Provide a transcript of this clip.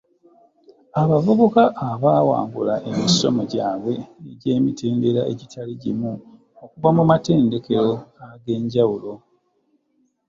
Abavubuka abaawangula emisomo gyabwe egy’emitendera egitali gimu okuva mu matendekero ag’enjawulo.